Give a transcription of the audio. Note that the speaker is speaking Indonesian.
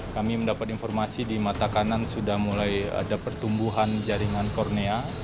kami mendapat informasi di mata kanan sudah mulai ada pertumbuhan jaringan kornea